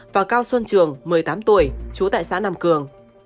và cao xuân trường một mươi tám tuổi chú tại xã nam cường